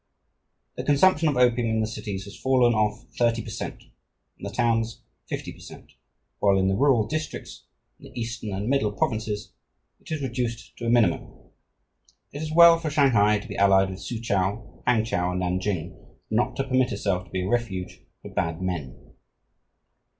"The consumption of opium in the cities has fallen off thirty per cent.; in the towns fifty per cent.; while in the rural districts in the eastern and middle provinces it is reduced to a minimum. It is well for Shanghai to be allied with Soochow, Hangchow, and Nanking, and not to permit itself to be a refuge for bad men.